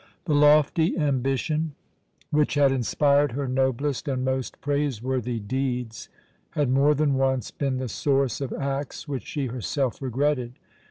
The lofty ambition which had inspired her noblest and most praiseworthy deeds had more than once been the source of acts which she herself regretted.